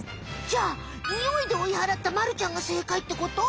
じゃあニオイで追い払ったまるちゃんが正解ってこと？